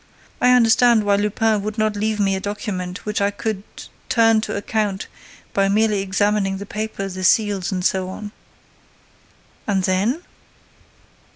I understand why Lupin would not leave me a document which I could turn to account by merely examining the paper, the seals and so on." "And then?"